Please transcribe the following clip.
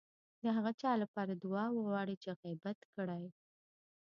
د هغه چا لپاره دعا وغواړئ چې غيبت کړی.